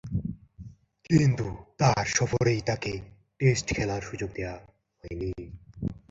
কিন্তু কোন সফরেই তাকে টেস্ট খেলার সুযোগ দেয়া হয়নি।